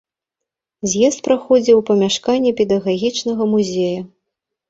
З'езд праходзіў у памяшканні педагагічнага музея.